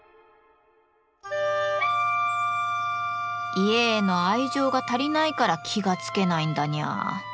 家への愛情が足りないから気が付けないんだニャー。